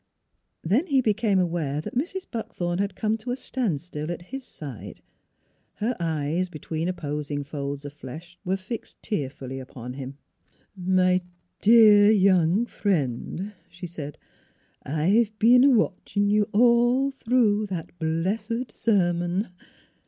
Then he became aware that Mrs. Buckthorn had come to a standstill at his side; her eyes, between opposing folds of flesh, were fixed tear fully upon him. " My de ar young friend," she said, " I've been a watchin' you all through that b lessed sermon.